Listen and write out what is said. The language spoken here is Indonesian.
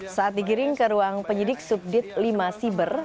saat digiring ke ruang penyidik subdit lima siber